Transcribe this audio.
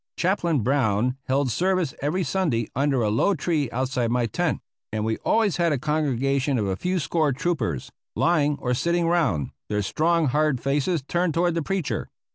Chaplain Brown held service every Sunday under a low tree outside my tent; and we always had a congregation of a few score troopers, lying or sitting round, their strong hard faces turned toward the preacher.